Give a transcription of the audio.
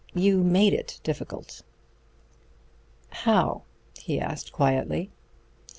You made it difficult." "How?" he asked quietly.